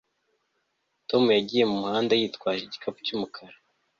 Tom yagiye mumuhanda yitwaje igikapu cyumukara